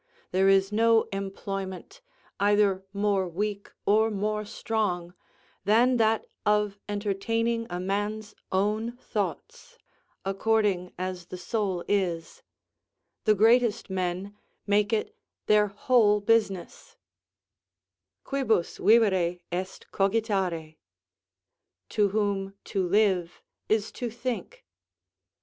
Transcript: There is no employment, either more weak or more strong, than that of entertaining a man's own thoughts, according as the soul is; the greatest men make it their whole business, "Quibus vivere est cogitare;" ["To whom to live is to think."